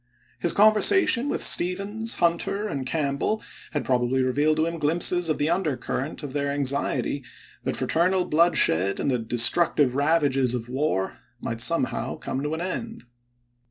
His conversation with Stephens, Hunter, and Camp bell had probably revealed to him glimpses of the undercurrent of their anxiety that fraternal blood shed and the destructive ravages of war might somehow come to an end.